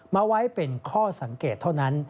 มาไว้เป็นข้อสังเกตเท่านั้น